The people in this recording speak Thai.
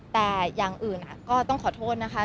แต่อย่างอื่นก็ต้องขอโทษนะคะ